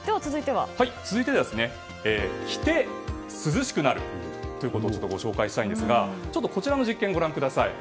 続いては着て、涼しくなるということをご紹介したいんですがこちらの実験をご覧ください。